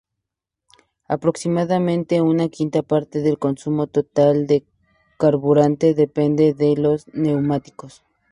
Aproximadamente, una quinta parte del consumo total de carburante depende de los neumáticos.